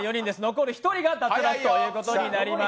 残る１人が脱落ということになります。